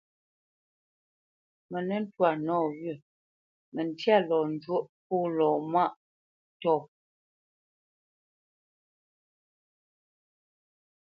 Mə nə́ ntwâ nɔwyə̂, məntya lɔ njwóʼ pô lɔ mâʼ ntɔ̂.